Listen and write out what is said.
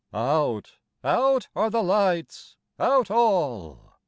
Out—out are the lights—out all!